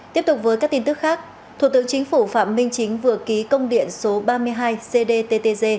tiếp tục với các tin tức khác thủ tướng chính phủ phạm minh chính vừa ký công điện số ba mươi hai cdttg